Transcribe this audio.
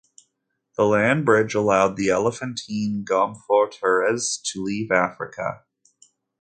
The land bridge allowed the elephantine Gomphotheres to leave Africa.